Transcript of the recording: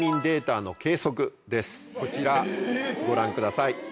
こちらご覧ください。